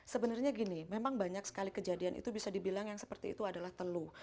sebenarnya gini memang banyak sekali kejadian itu bisa dibilang yang seperti itu adalah teluh